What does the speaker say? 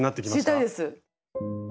知りたいです。